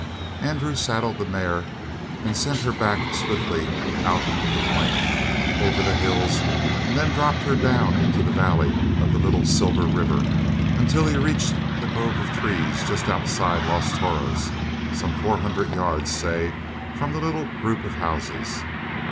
Andrew saddled the mare and sent her back swiftly out of the plain, over the hills, and then dropped her down into the valley of the Little Silver River until he reached the grove of trees just outside Los Toros some four hundred yards, say, from the little group of houses.